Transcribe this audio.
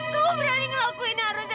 kamu berani ngelakuin arusnya